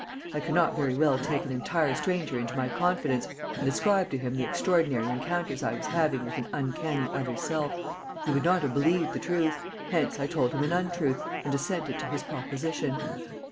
I could not very well take an entire stranger into my confidence, and describe to him the extraordinary encounters I was having with an uncanny other self. He would not have believed the truth, hence I told him an untruth, and assented to his proposition.